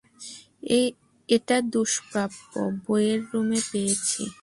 এটা দুষ্প্রাপ্য বইয়ের রুমে পেয়েছি।